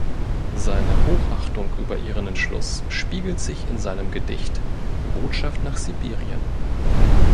Seine Hochachtung über ihren Entschluss spiegelt sich in seinem Gedicht "Botschaft nach Sibirien".